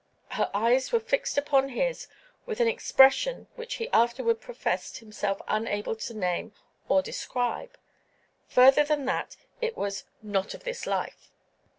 Her eyes were fixed upon his with an expression which he afterward professed himself unable to name or describe, further than that it was "not of this life."